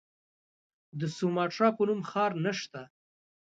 د سوماټرا په نوم ښار نسته.